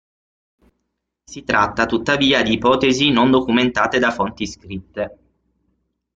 Si tratta, tuttavia, di ipotesi non documentate da fonti scritte.